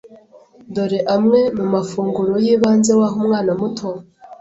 dore amwe mu mafunguro y’ibanze waha umwana muto